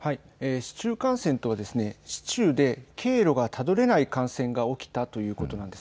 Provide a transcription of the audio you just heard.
市中感染例は市中で経路がたどれない感染が起きたということなんです。